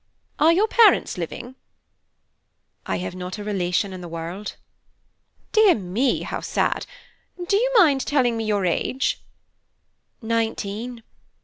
"Are your parents living?" "I have not a relation in the world." "Dear me, how sad! Do you mind telling me your age?" "Nineteen."